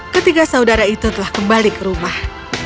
ketiga saudara itu telah kembali ke rumah